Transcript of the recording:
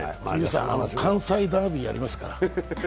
関西ダービーやりますから。